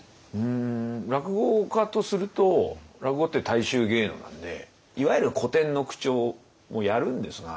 落語家とすると落語って大衆芸能なんでいわゆる古典の口調をやるんですが。